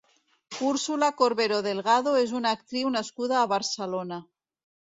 Úrsula Corberó Delgado és una actriu nascuda a Barcelona.